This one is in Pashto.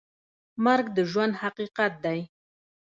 مرګ د ژوند حقیقت دی؟